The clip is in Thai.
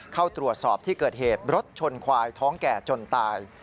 เข้าตรวจสอบที่เกิดเหตุรถชนควายท้องแก่จนตาย